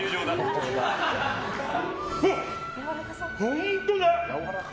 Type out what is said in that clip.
本当だ！